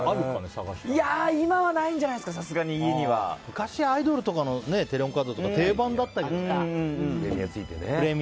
今はないんじゃないですか昔、アイドルのテレホンカードとか定番だったよね。